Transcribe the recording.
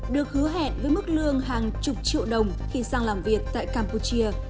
được hứa hẹn với mức lương hàng chục triệu đồng khi sang làm việc tại campuchia